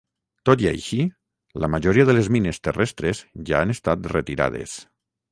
Tot i així, la majoria de les mines terrestres ja han estat retirades.